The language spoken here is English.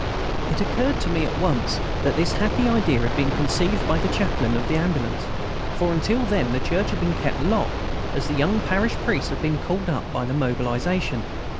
It occurred to me at once that this happy idea had been conceived by the Chaplain of the Ambulance, for until then the church had been kept locked, as the young parish priest had been called up by the mobilisation.